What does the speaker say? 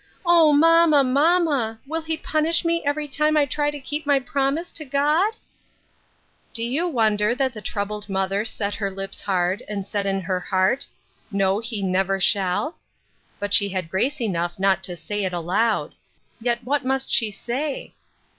O, mamma, mamma! will he punish me every time I try to keep my promise to God ?" 142 "THE deed for the will." Do you wonder that the troubled mother set her lips hard, and said in her heart, " No, he never shall ?" But she had grace enough not to say it aloud. Yet what must she say